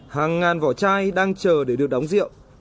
hàng ngàn vỏ chai đang chờ để được đóng rượu